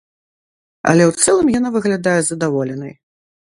Але ў цэлым яна выглядае задаволенай.